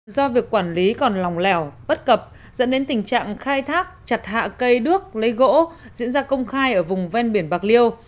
do việc quản lý còn lòng lẻo bất cập dẫn đến tình trạng khai thác chặt hạ cây đước lấy gỗ diễn ra công khai ở vùng ven biển bạc liêu